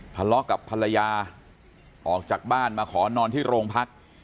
ทะเลาะกับภรรยาออกจากบ้านมาขอนอนที่โรงพัก